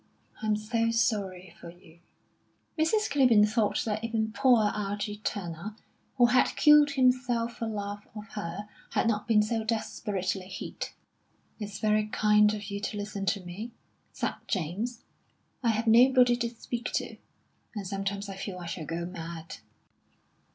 "I'm so sorry for you." Mrs. Clibborn thought that even poor Algy Turner, who had killed himself for love of her, had not been so desperately hit. "It's very kind of you to listen to me," said James. "I have nobody to speak to, and sometimes I feel I shall go mad."